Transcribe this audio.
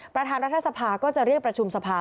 ประธานรัฐสภาก็จะเรียกประชุมสภา